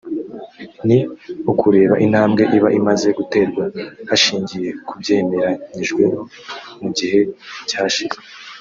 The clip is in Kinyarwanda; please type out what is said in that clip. ni ukureba intambwe iba imaze guterwa hashingiye ku byemeranyijweho mu gihe cyashize